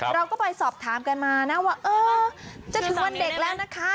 เราก็ไปสอบถามกันมานะว่าเออจะถึงวันเด็กแล้วนะคะ